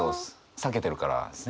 避けてるからですね。